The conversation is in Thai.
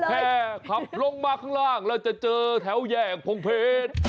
แค่ขับลงมาข้างล่างแล้วจะเจอแถวแยกพงเพชร